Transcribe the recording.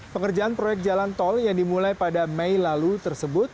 pengerjaan proyek jalan tol yang dimulai pada mei lalu tersebut